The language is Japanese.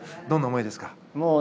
どんな思いですか？